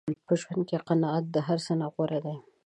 په ژوند کې قناعت د هر څه نه غوره دی.